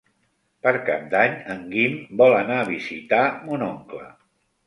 Per Cap d'Any en Guim vol anar a visitar mon oncle.